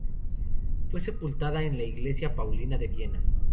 Fue sepultada en la "Iglesia Paulina" de Viena.